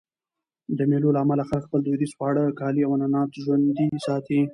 د مېلو له امله خلک خپل دودیز خواړه، کالي او عنعنات ژوندي ساتي.